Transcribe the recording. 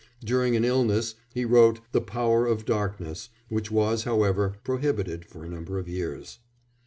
During an illness he wrote The Power of Darkness, which was, however, prohibited for a number of years.